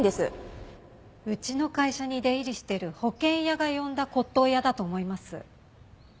うちの会社に出入りしてる保険屋が呼んだ骨董屋だと思います。